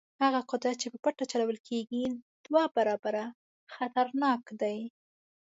هغه قدرت چې په پټه چلول کېږي دوه برابره خطرناک دی.